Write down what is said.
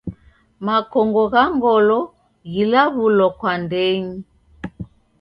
Makongo gha ngolo ghilaw'ulo kwa ndenyi.